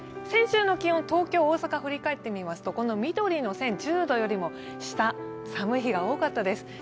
先週の気温、東京と大阪振り返ってみますと緑の線、１０度よりも下、寒い日が多かったです。